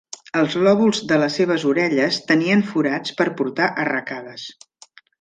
Els lòbuls de les seves orelles tenien forats per portar arracades.